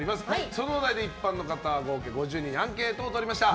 そのお題で一般の方合計５０人にアンケートをとりました。